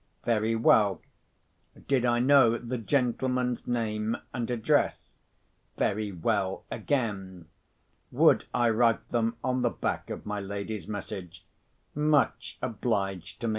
Very well. Did I know the gentleman's name and address? Very well again. Would I write them on the back of my lady's message? Much obliged to me.